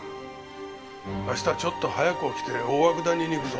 明日ちょっと早く起きて大涌谷に行くぞ。